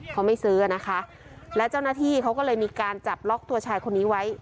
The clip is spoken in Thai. เขาไม่ซื้อนะคะและเจ้าหน้าที่เขาก็เลยมีการจับล็อกตัวชายคนนี้ไว้